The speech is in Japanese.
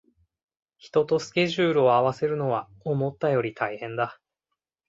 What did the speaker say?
人とスケジュールを合わせるのは思ったより大変だ